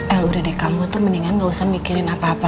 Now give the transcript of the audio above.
eh lu udah deh kamu tuh mendingan gak usah mikirin apa apa